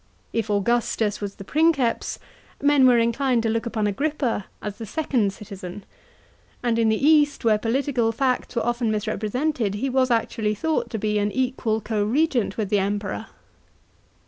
If Augustus was the Princeps, men were inclined to look upon Agrippa as the second citizen ; anil in the East, where political facts were often misinterpreted, he was actually thought to be an equal co regent with the Emperor.